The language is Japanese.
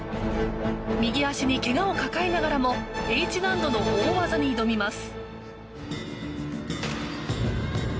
右足にけがを抱えながらもＨ難度の大技に挑みます。